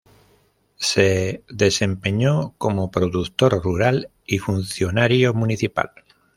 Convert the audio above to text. Se desempeñó como productor rural y funcionario municipal.